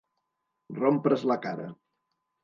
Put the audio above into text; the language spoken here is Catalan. Rompre's la cara.